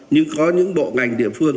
nhưng có những bộ ngành địa phương